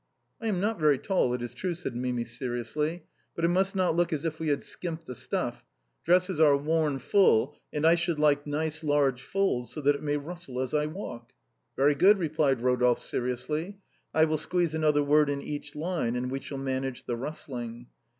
"I am not very tall, it is true," said Mimi, seriously; "but it must not look as if we had skimped the stuff. Dresses are worn full, and I should like nice large folds so that it may rustle as I walk." " Very good," replied Eodolphe, seriously. " I will squeeze another word in each line and we shall manage the rustling."